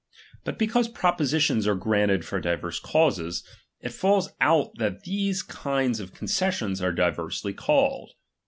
But because propositions are granted for divers causes, it falls out that these kind of concessions are diversely called.